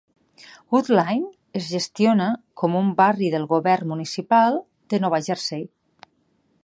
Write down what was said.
Woodlynne es gestiona com un barri del govern municipal de Nova Jersey.